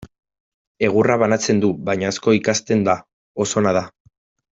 Egurra banatzen du, baina asko ikasten da, oso ona da.